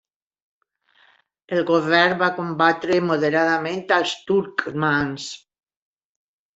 El govern va combatre moderadament als turcmans.